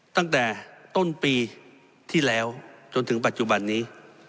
ตั้งแต่ต้นปีที่แล้วจนถึงปัจจุบันนี้